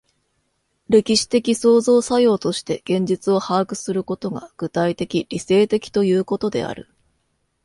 歴史的創造作用として現実を把握することが、具体的理性的ということである。